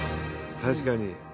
確かに。